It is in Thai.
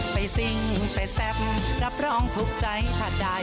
ไปซิ่งไปแซ่บรับรองถูกใจถ้าได้